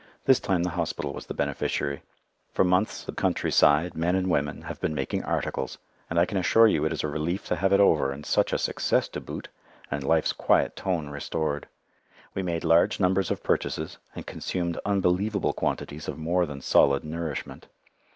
This time the hospital was the beneficiary. For months the countryside, men and women, have been making articles, and I can assure you it is a relief to have it over and such a success to boot, and life's quiet tone restored. We made large numbers of purchases, and consumed unbelievable quantities of more than solid nourishment.